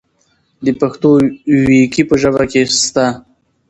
دا پښتو وييکي په ژبه کې سته.